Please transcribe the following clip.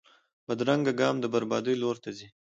بدرنګه ګام د بربادۍ لور ته ځي